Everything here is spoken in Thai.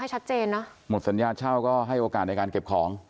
หมดสัญญาณเช่าก็ให้โอกาสในการเก็บของ